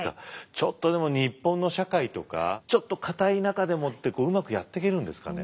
ちょっとでも日本の社会とかちょっとかたい中でもうまくやっていけるんですかね？